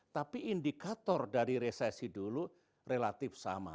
tapi indikator dari resesi dulu relatif sama